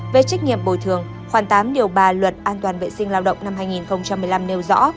về trách nhiệm bồi thường khoảng tám điều ba luật an toàn vệ sinh lao động năm hai nghìn một mươi năm nêu rõ